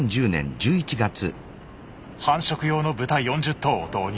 繁殖用の豚４０頭を導入。